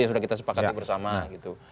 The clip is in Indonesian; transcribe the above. ya sudah kita sepakat bersama gitu